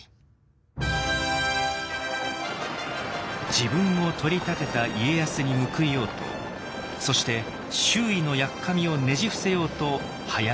自分を取り立てた家康に報いようとそして周囲のやっかみをねじ伏せようとはやる直政。